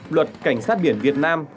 luật cảnh sát biển việt nam